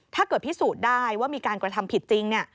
ถ้าเกิดพิสูจน์ได้ว่ามีการกระทำผิดจริง